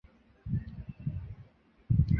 膜荚见血飞是豆科云实属的植物。